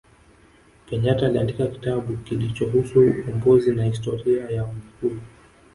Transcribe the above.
kenyata aliandika kitabu kilichohusu ukombozi na historia ya wagikuyu